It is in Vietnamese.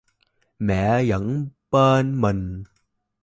Mẹ vẫn bên mình